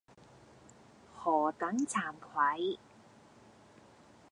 何等慚愧。